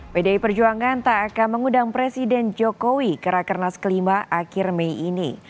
pdi perjuangan tak akan mengundang presiden jokowi ke rakernas kelima akhir mei ini